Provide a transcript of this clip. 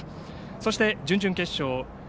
そして準々決勝